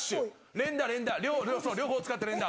連打、連打。